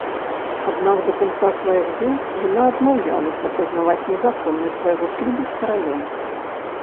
Аднак да канца сваіх дзён яна адмаўлялася прызнаваць незаконнасць свайго шлюбу з каралём.